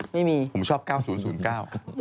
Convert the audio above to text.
ไม่มีผมชอบเก้าศูนย์ศูนย์เก้า